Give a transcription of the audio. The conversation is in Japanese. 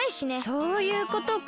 そういうことか。